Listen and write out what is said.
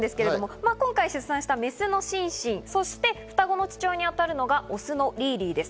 今回出産したメスのシンシン、そして双子の父親に当たるのがオスのリーリーです。